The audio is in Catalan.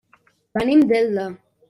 Venim d'Elda.